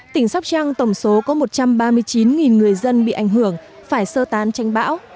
trăng tổng số có một trăm ba mươi chín người dân bị ảnh hưởng phải sơ tán tranh bão